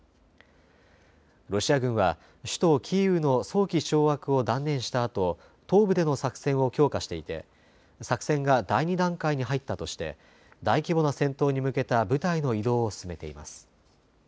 ロシア軍は首都キーウの早期掌握を断念したあと東部での作戦を強化していて作戦が第２段階に入ったとして大規模な戦闘に向けた部隊の移動を進めています。